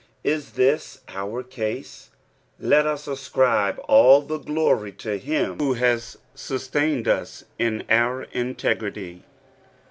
la this our case? let us ascribe all the glory to him who has sustained us in our integrity.